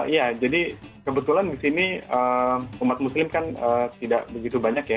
ya jadi kebetulan di sini umat muslim kan tidak begitu banyak ya